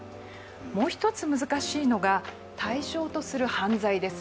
もう一つ難しいのが対象とする犯罪です。